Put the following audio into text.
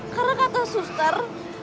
karena kata suster